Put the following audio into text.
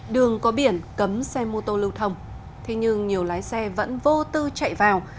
đường có biển cấm xe mô tô lưu thông thế nhưng nhiều lái xe vẫn vô tư chạy vào